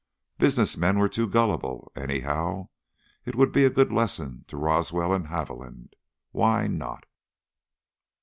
Business men are too gullible, any how; it would be a good lesson to Roswell and Haviland. Why not